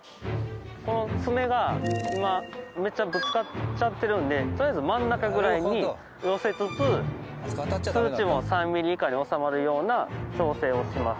この爪が今めっちゃぶつかっちゃってるんでとりあえず真ん中ぐらいに寄せつつ数値も３ミリ以下に収まるような調整をします。